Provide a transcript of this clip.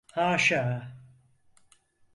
Haşa…